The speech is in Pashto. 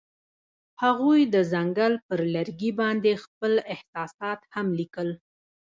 هغوی د ځنګل پر لرګي باندې خپل احساسات هم لیکل.